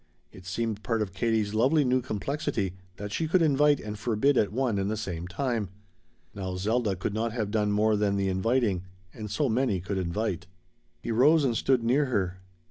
It seemed part of Katie's lovely new complexity that she could invite and forbid at one and the same time. Now Zelda could not have done more than the inviting and so many could invite. He rose and stood near her.